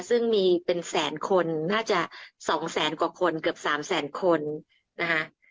ซึ่งมีเป็นแสนคนน่าจะ๒แสนกว่าคนเกือบ๓แสนคนนะคะ